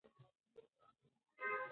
د ښوونځي اصول باید د ټولو لخوا مراعت سي.